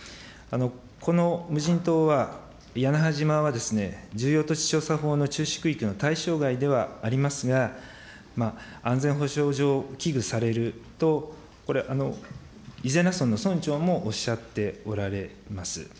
この無人島は、やなは島は、重要土地調査法のちゅうし区域の対象外ではありますが、安全保障上、危惧されると、伊是名村の村長もおっしゃっておられます。